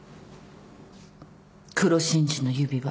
黒真珠の指輪。